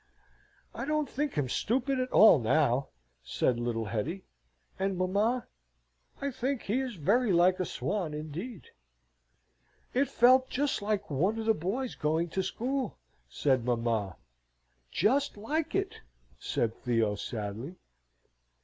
"I don't think him stupid at all now," said little Hetty; "and, mamma, I think, he is very like a swan indeed." "It felt just like one of the boys going to school," said mamma. "Just like it," said Theo, sadly.